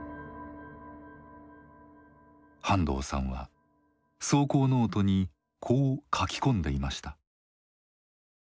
半藤さんは草稿ノートにこう書き込んでいました。